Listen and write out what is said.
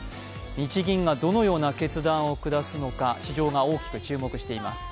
日銀がどのような決断を下すのか、市場が大きく注目しています。